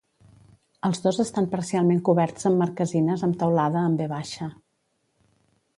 Els dos estan parcialment coberts amb marquesines amb teulada en ve baixa.